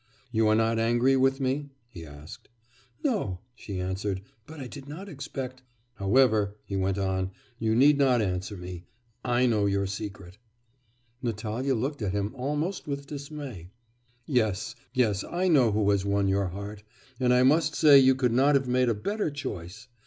'You are not angry with me?' he asked. 'No,' she answered, 'but I did not expect ' 'However,' he went on, 'you need not answer me. I know your secret.' Natalya looked at him almost with dismay. 'Yes, yes, I know who has won your heart. And I must say that you could not have made a better choice.